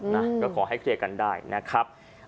นะก็ขอให้เคลียร์กันได้นะครับ